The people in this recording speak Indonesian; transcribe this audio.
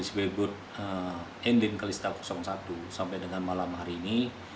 speedboat ending kalista satu sampai dengan malam hari ini